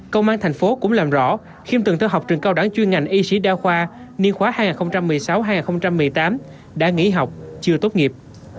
công an thành phố cũng làm rõ khiêm từng theo học trường cao đẳng chuyên ngành y sĩ đa khoa niên khóa hai nghìn một mươi sáu hai nghìn một mươi tám đã nghỉ học chưa tốt nghiệp